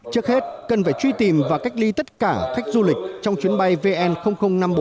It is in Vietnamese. trước hết cần phải truy tìm và cách ly tất cả khách du lịch trong chuyến bay vn năm mươi bốn